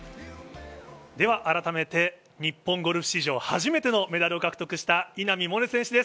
あらためて日本ゴルフ史上初めてのメダルを獲得した、稲見萌寧選手です。